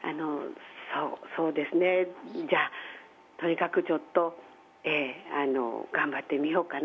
そうですね、じゃあ、とにかくちょっと、頑張ってみようかな。